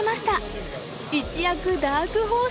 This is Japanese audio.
一躍ダークホースに。